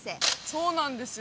そうなんですよ。